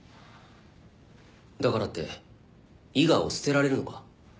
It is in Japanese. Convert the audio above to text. だからって伊賀を捨てられるのか？